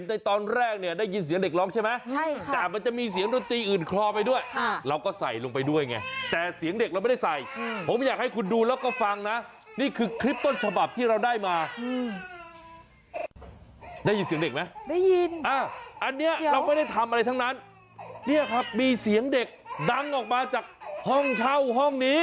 นี่ครับมีเสียงเด็กดังออกมาจากห้องเช่าห้องนี้